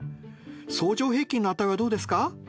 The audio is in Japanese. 相乗平均の値はどうですか？